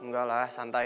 enggak lah santai